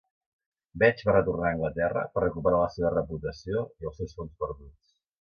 Vetch va retornar a Anglaterra per recuperar la seva reputació i els seus fons perduts.